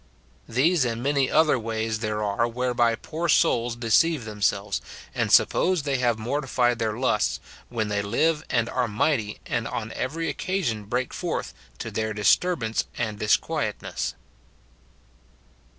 These and many other ways there are whereby poor souls deceive themselves, and suppose they have morti fied their lusts, when they live and are mighty, and on every occasion break forth, to their disturbance and dis quietness.